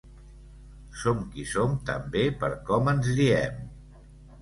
Som qui som també per com ens diem.